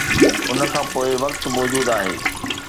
ان کان پوء وقت موجود آهي.